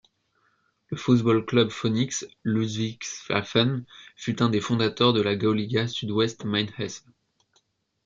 Le Fußball-Club Phönix Ludwigshafen fut un des fondateurs de la Gauliga Sud-Ouest-Main-Hesse.